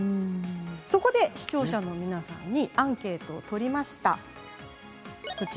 そこで視聴者の皆さんにアンケートを取りました。